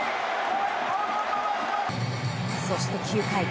そして９回。